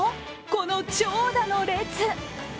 この長蛇の列。